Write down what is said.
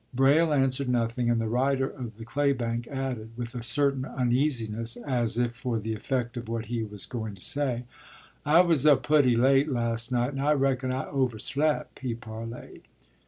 ” Braile answered nothing, and the rider of the claybank added, with a certain uneasiness as if for the effect of what he was going to say, “I was up putty late last night, and I reckon I overslep',” he parleyed.